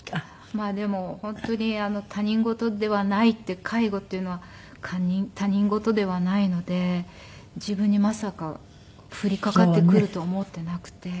まあでも本当に他人事ではないって介護っていうのは他人事ではないので自分にまさか降りかかってくると思っていなくて。